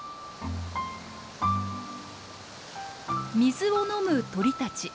水を飲む鳥たち。